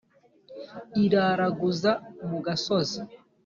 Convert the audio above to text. iraraguza mu gasozi,